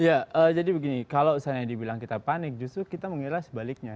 ya jadi begini kalau misalnya dibilang kita panik justru kita mengira sebaliknya